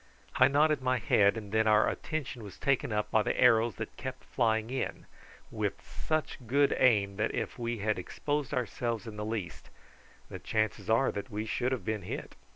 I nodded my head, and then our attention was taken up by the arrows that kept flying in, with such good aim that if we had exposed ourselves in the least the chances are that we should have been hit.